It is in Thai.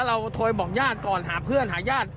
เราโทรบอกญาติก่อนหาเพื่อนหาญาติ